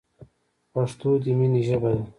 پښتو دی مینی ژبه